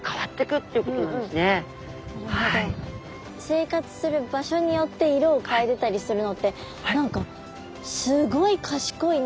生活する場所によって色を変えてたりするのって何かすごい賢いなと思いますね。